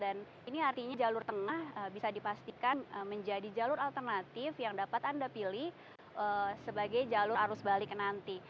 dan ini artinya jalur tengah bisa dipastikan menjadi jalur alternatif yang dapat anda pilih sebagai jalur arus balik nanti